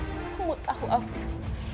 kamu tahu afis